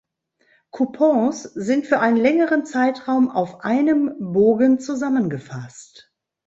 Coupons sind für einen längeren Zeitraum auf einem Bogen zusammengefasst.